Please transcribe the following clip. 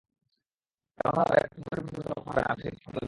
এমন হলে record company profit করতে পারবে না, আমিতো জীবনেও পারলাম না।